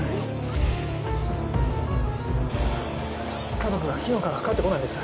家族が昨日から帰って来ないんです。